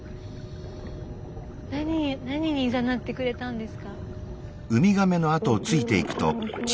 何に何にいざなってくれたんですか？